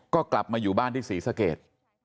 ก็กลับมาอยู่บ้านที่ศรีสเกต